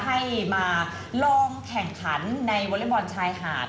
ให้มาลองแข่งขันในวอเล็กบอลชายหาด